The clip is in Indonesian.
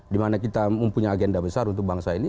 di mana kita mempunyai agenda besar untuk bangsa ini